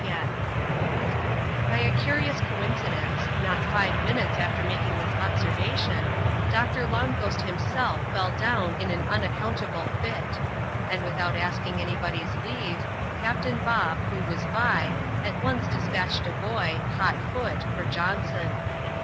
l By a curious coincidence, not five minutes after making this observation, Doctor Long Ghost himself fell down in an unac countable fit; and without asking any body's leave^ Captain Bob, who was by, at once despatched a boy, hot foot, for Johnson.